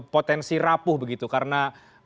potensi rapuh begitu karena